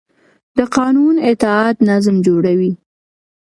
د قانون اطاعت نظم جوړوي